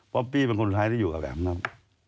ป๊อปปี้เป็นคนสุดท้ายที่อยู่กับแอบนั้น